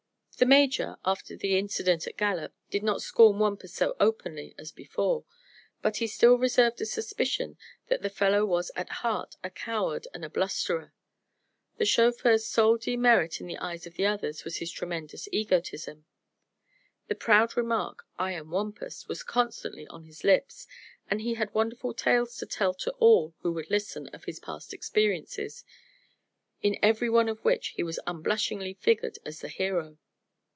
The Major, after the incident at Gallup, did not scorn Wampus so openly as before; but he still reserved a suspicion that the fellow was at heart a coward and a blusterer. The chauffeur's sole demerit in the eyes of the others was his tremendous egotism. The proud remark: "I am Wampus!" was constantly on his lips and he had wonderful tales to tell to all who would listen of his past experiences, in every one of which he unblushingly figured as the hero.